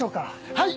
はい！